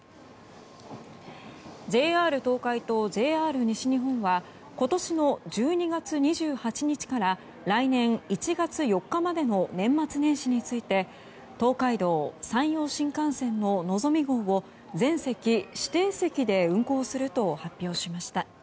ＪＲ東海とＪＲ西日本は今年の１２月２８日から来年１月４日までの年末年始について東海道・山陽新幹線の「のぞみ号」を全席指定席で運行すると発表しました。